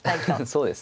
そうですね。